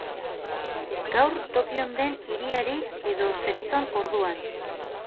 Gaur Tokion den hiriari Edo zeritzon orduan.